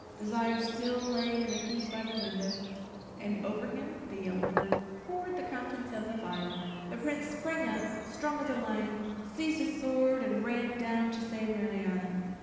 Desire still lay in a heap by the window, and over him the yellow bird poured the contents of the phial. The Prince sprang up, strong as a lion, seized his sword, and rushed down to save Marianna.